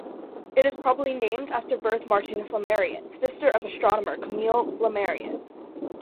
It is probably named after Berthe Martin-Flammarion, sister of the astronomer Camille Flammarion.